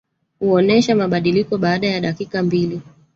huonesha mabadiliko baada ya dakika mbili